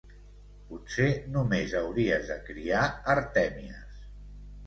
Potser només hauries de criar artèmies.